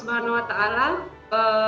dan syukur kehadirat allah swt